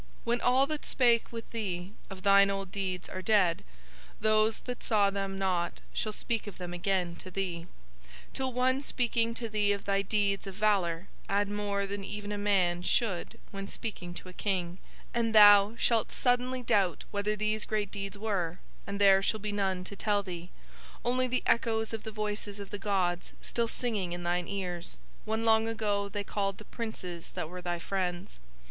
When all that spake with thee of thine old deeds are dead, those that saw them not shall speak of them again to thee; till one speaking to thee of thy deeds of valour add more than even a man should when speaking to a King, and thou shalt suddenly doubt whether these great deeds were; and there shall be none to tell thee, only the echoes of the voices of the gods still singing in thine ears when long ago They called the princes that were thy friends.